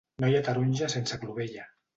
No hi ha taronja sense clovella.